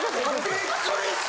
びっくりした。